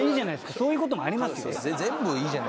そういうこともありますよ。